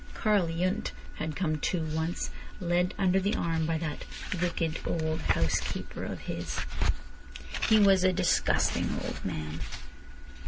Karl Yundt had come too, once, led under the arm by that "wicked old housekeeper of his." He was "a disgusting old man."